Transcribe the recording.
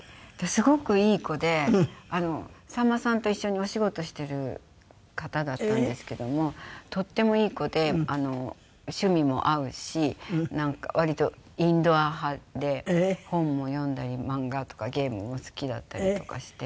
すごくいい子でさんまさんと一緒にお仕事してる方だったんですけどもとってもいい子で趣味も合うし割とインドア派で本を読んだり漫画とかゲームも好きだったりとかして。